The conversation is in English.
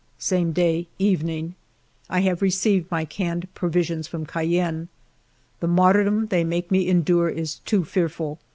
Same day, evening. I have received my canned provisions from Cayenne. The martyrdom they make me endure is too fearful.